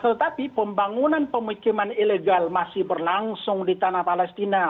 tetapi pembangunan pemikiman ilegal masih berlangsung di tanah palestina